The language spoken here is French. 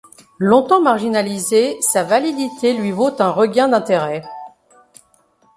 Longtemps marginalisée, sa validité lui vaut un regain d’intérêt.